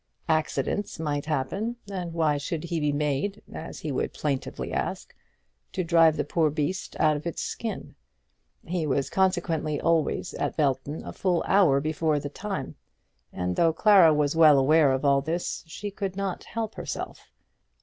Accidents might happen, and why should he be made, as he would plaintively ask, to drive the poor beast out of its skin? He was consequently always at Belton a full hour before the time, and though Clara was well aware of all this, she could not help herself.